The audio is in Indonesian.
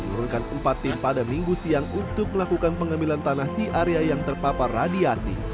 menurunkan empat tim pada minggu siang untuk melakukan pengambilan tanah di area yang terpapar radiasi